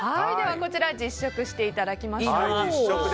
こちら、実食していただきます。